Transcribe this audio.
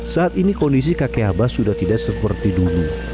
saat ini kondisi kakek abah sudah tidak seperti dulu